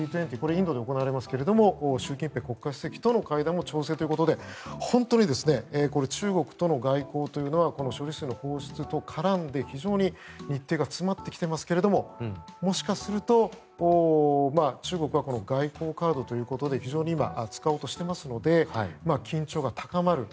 インドで行われますが習近平国家主席との会談も調整中ということで本当に中国との外交というのはこの処理水の放出と絡んで非常に日程が詰まってきていますがもしかすると、中国はこの外交カードということで非常に今、使おうとしていますので緊張が高まる。